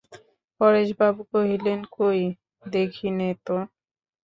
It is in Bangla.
পরেশবাবু কহিলেন, কই, দেখি নে তো।